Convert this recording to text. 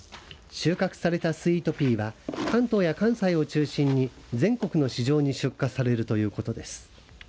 収穫されたスイートピーは関東や関西を中心に全国の市場に出荷されるということです。